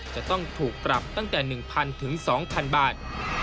จะต้องถูกปรับตั้งแต่๑๐๐ถึง๒๐๐บาท